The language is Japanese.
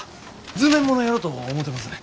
図面ものやろと思てますねん。